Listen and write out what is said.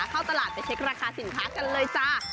เข้าตลาดไปเช็คราคาสินค้ากันเลยจ้า